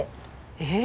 えっ？